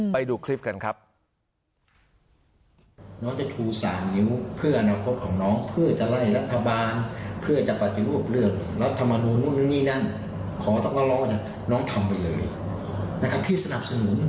ไปดูคลิปกันครับ